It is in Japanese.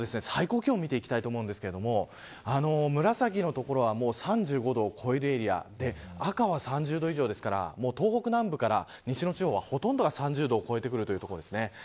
では今日の最高気温を見ていきたいと思うんですが紫の所は３５度を超えるエリアで赤は３０度以上ですから東北南部から西の地方はほとんどが３０度を超えてくるというところです。